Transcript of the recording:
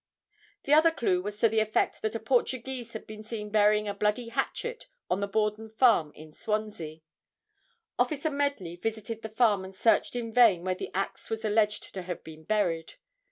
The other clue was to the effect that a Portuguese had been seen burying a bloody hatchet on the Borden farm in Swansea. Officer Medley visited the farm and searched in vain where the axe was alleged to have been buried.